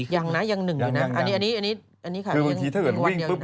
อย่างนึงอยู่นะ